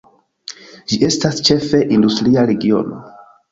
Gi estas ĉefe industria regiono.